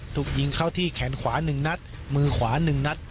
ถูกยิงเข้าที่แขนขวา๑นัดมือขวา๑นัด